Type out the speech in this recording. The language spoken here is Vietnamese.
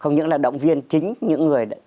không những là động viên chính những người